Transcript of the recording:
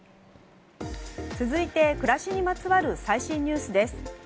続いて、暮らしにまつわる最新ニュースです。